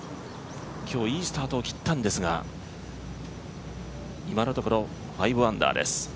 今日、いいスタートを切ったんですが、今のところ５アンダーです。